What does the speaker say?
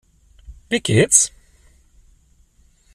Wie geht’s?